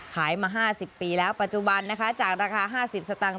ขายมา๕๐ปีแล้วปัจจุบันนะคะจากราคา๕๐สตางค